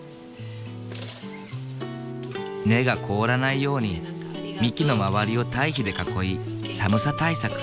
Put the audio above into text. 根が凍らないように幹の周りを堆肥で囲い寒さ対策。